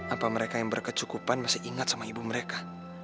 apa mereka yang berkecukupan masih ingat sama ibu mereka